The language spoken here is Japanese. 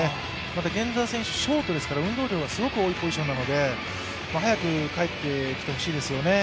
また源田選手、ショートですから運動量がすごく多い選手ですので早く帰ってきてほしいですよね。